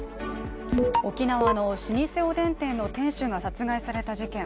沖縄の老舗おでん店の店主が殺害された事件。